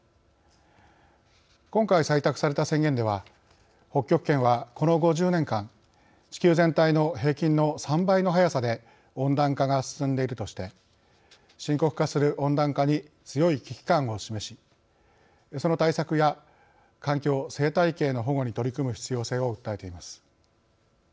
今回採択された宣言では北極圏はこの５０年間地球全体の平均の３倍の速さで温暖化が進んでいるとして深刻化する温暖化に強い危機感を示しその対策や環境生態系の保護に取り組む必要性を訴えています。